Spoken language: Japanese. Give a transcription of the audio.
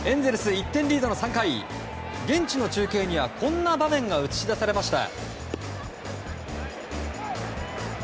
１点リードの３回現地の中継にはこんな場面が映し出されました。